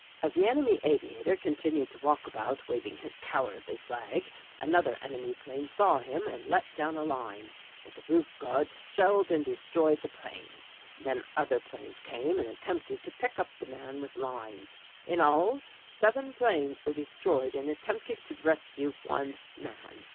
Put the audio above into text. "As the enemy aviator continued to walk about waving his cowardly flag another enemy plane saw him and let down a line, but the roof guards shelled and destroyed the plane. Then other planes came and attempted to pick up the man with lines. In all seven planes were destroyed in attempting to rescue one man.